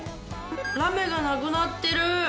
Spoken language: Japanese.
ラメがなくなってる。